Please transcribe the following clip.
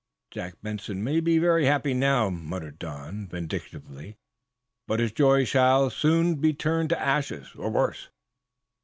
"Jack Benson may be very happy now," muttered Don, vindictively, "but his joy shall soon be turned to ashes or worse."